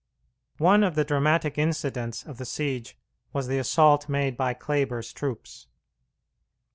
One of the dramatic incidents of the siege was the assault made by Kleber's troops.